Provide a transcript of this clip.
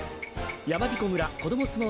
やまびこ村こどもすもう